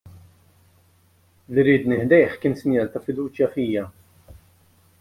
Li riedni ħdejh kien sinjal ta' fiduċja fija.